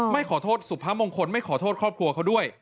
ไม่ขอโทษสุพมงคลไม่ขอโทษครอบครัวเขาด้วย